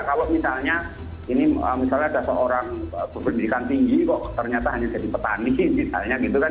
kalau misalnya ini misalnya ada seorang berpendidikan tinggi kok ternyata hanya jadi petani misalnya gitu kan